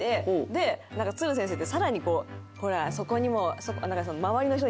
でつる先生って更にこう「ほらそこにも」。